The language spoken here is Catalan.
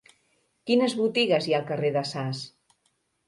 Quines botigues hi ha al carrer de Sas?